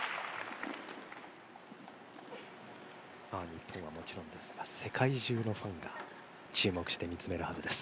日本はもちろんですが世界中のファンが注目して見つめるはずです。